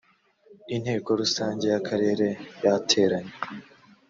inteko rusange y akarere yateranye